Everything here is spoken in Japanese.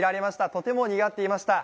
とてもにぎわっていました。